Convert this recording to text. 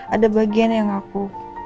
ada bagian yang aku